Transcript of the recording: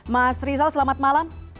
mas rizal selamat malam